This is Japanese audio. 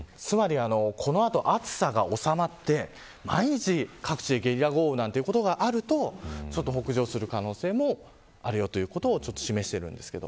この後、暑さが収まって、毎日各地でゲリラ豪雨なんてことがあると北上する可能性もあるということを示しています。